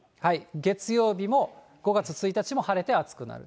月曜日も５月１日も晴れて暑くなる。